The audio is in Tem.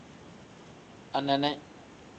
Anene.